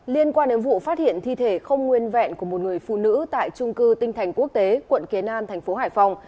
liên quan đến vụ phát hiện thi thể không nguyên vẹn của một người phụ nữ tại trung cư tinh thành quốc tế quận kiến an thành phố hải phòng